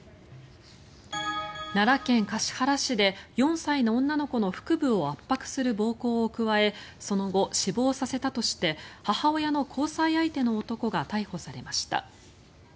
奈良県橿原市で４歳の女の子の腹部を圧迫する暴行を加えその後、死亡させたとして母親の交際相手の男が逮捕されました。